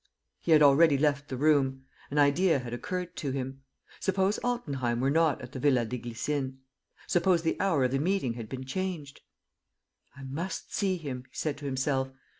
He had already left the room. An idea had occurred to him. Suppose Altenheim were not at the Villa des Glycines? Suppose the hour of the meeting had been changed! "I must see him," he said to himself.